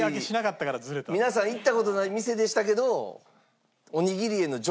やっぱり皆さん行った事ない店でしたけど。